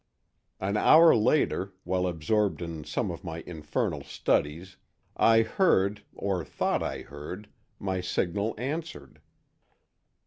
"An hour later, while absorbed in some of my infernal studies, I heard, or thought I heard, my signal answered.